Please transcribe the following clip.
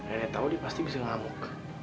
nenek tau dia pasti bisa ngamuk